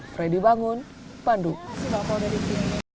fredy bangun bandung